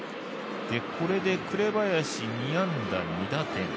これで紅林２安打２打点。